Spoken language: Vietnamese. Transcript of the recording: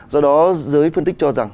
do đó giới phân tích cho rằng